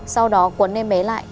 sau đó cuốn em bé lại